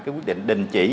cái quyết định đình chỉ